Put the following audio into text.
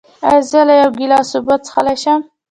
ایا زه له یو ګیلاس اوبه څښلی شم؟